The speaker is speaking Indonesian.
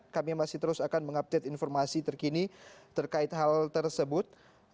kami masih terus akan mengupdate informasi terkini terkait hal tersebut